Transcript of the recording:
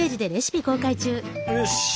よし！